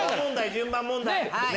順番問題。